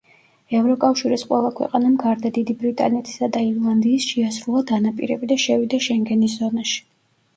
ევროკავშირის ყველა ქვეყანამ გარდა დიდი ბრიტანეთისა და ირლანდიის, შეასრულა დანაპირები და შევიდა შენგენის ზონაში.